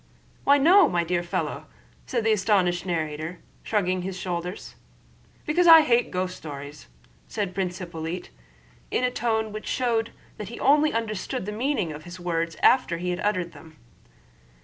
"Why no, my dear fellow," said the astonished narrator, shrugging his shoulders. "Because I hate ghost stories," said Prince Hippolyte in a tone which showed that he only understood the meaning of his words after he had uttered them.